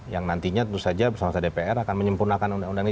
yang nantinya tentu saja bersama sama dpr akan menyempurnakan undang undang ini